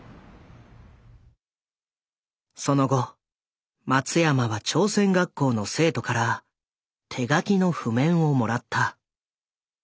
その後松山は朝鮮学校の生徒から手書きの譜面をもらった。